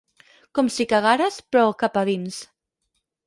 Com si cagares, però cap a dins.